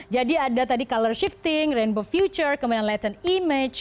jadi ada tadi color shifting rainbow future kemudian latent image